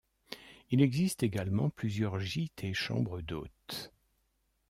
Il existe également plusieurs gîtes et chambres d'hôtes.